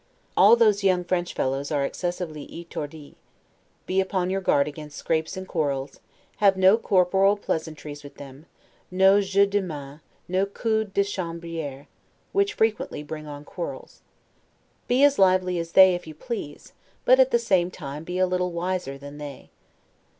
All those French young fellows are excessively 'etourdis'; be upon your guard against scrapes and quarrels; have no corporal pleasantries with them, no 'jeux de mains', no 'coups de chambriere', which frequently bring on quarrels. Be as lively as they, if you please, but at the same time be a little wiser than they.